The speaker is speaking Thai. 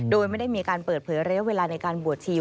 โดยไม่ได้มีการเปิดเผยระยะเวลาในการบวชชีพ